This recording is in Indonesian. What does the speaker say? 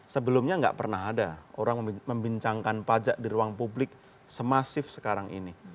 sebelumnya nggak pernah ada orang membincangkan pajak di ruang publik semasif sekarang ini